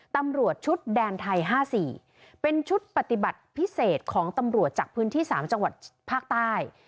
ตำรวจชุดแดนไทย๕๔เป็นชุดปฏิบัติพิเศษของตำรวจจากพื้นที่๓จังหวัดภาคใต้